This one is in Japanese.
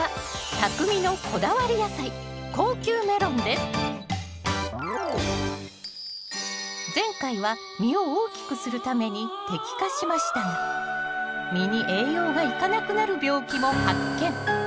ここからは前回は実を大きくするために摘果しましたが実に栄養がいかなくなる病気も発見！